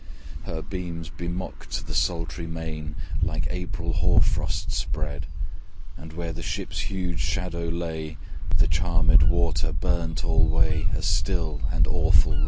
Her beams benocked the sultry main, Like April hoar frost spread; But where the ship's huge shadow lay, The charm ed water burnt alway A still and awful red.